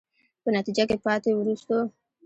په نتیجه کې پاتې، وروستو.